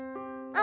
「あ！」